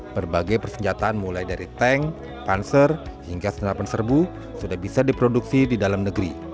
berbagai persenjataan mulai dari tank panser hingga senapan serbu sudah bisa diproduksi di dalam negeri